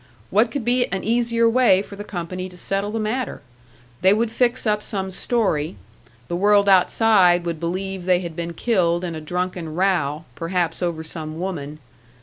What could be an easier way for the company to settle the matter? They would fix up some story; the world outside would believe they had been killed in a drunken row, perhaps over some woman.